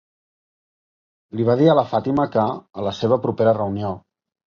Li va dir a la Fatima que, a la seva propera reunió,